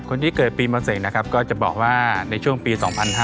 คนที่เกิดปีมะเสงนะครับก็จะบอกว่าในช่วงปี๒๕๕๙